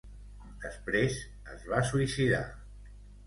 Després, es va suïcidar.